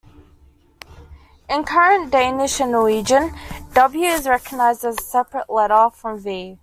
In current Danish and Norwegian, "W" is recognized as a separate letter from "V".